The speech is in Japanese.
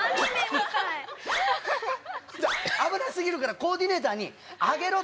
危なすぎるからコーディネーターに上げろって。